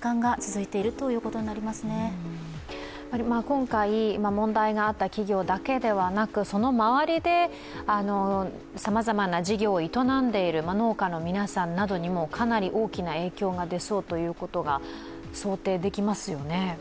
今回問題があった企業だけではなく、その周りでさまざまな事業を営んでいる農家の皆さんなどにもかなり大きな影響が出そうということが想定できますよね。